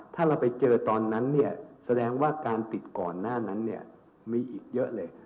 ถ้าเราไปเจอตอนนั้นเนี่ยแสดงว่าการติดก่อนหน้านั้นเนี่ยมีอีกเยอะเลย